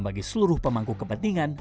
bagi seluruh pemangku kepentingan